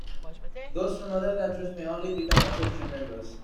Those from other countries may only become associate members.